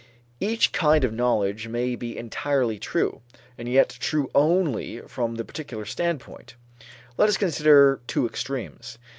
Each kind of knowledge may be entirely true, and yet true only from the particular standpoint. Let us consider two extremes.